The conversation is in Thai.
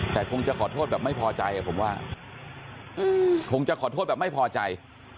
แต่คงจะขอโทษแบบไม่พอใจผมว่าคงจะขอโทษแบบไม่พอใจ